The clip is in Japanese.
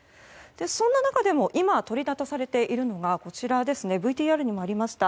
そんな中でも今、取りざたされているのがＶＴＲにもありました